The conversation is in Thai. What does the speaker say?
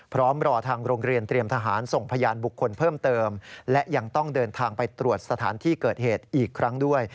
พร้อมรอทางโรงเรียนเตรียมทหารส่งพยานบุคคลเพิ่มเติมและยังต้องเดินทางไปตรวจสถานที่เกิดเหตุอีกครั้งด้วย